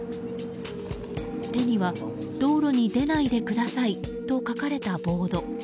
手には「道路に出ないでください」と書かれたボード。